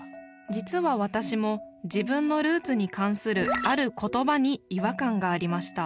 実は私も自分のルーツに関するある言葉に違和感がありました